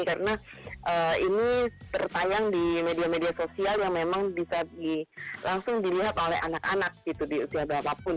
karena ini tertayang di media media sosial yang memang bisa langsung dilihat oleh anak anak di usia berapapun